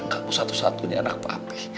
kamu satu satunya anak papi